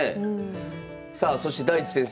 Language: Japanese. さあそして大地先生